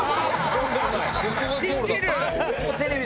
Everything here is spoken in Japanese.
信じる！